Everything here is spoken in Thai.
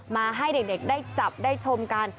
มาให้เด็กได้จับได้ชมกัน